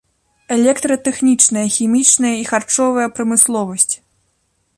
Электратэхнічная, хімічная і харчовая прамысловасць.